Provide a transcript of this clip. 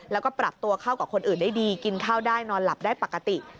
แล้วก็ปรับตัวเข้ากับคนอื่นได้ดีกินข้าวได้นอนหลับได้ปกติ